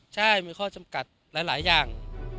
ใช่มีข้อจำกัดหลายอย่าง